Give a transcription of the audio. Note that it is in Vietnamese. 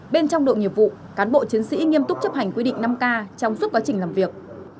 bên trong đội nghiệp vụ cán bộ chiến sĩ nghiêm túc chấp hành quy định năm k trong suốt quá trình làm việc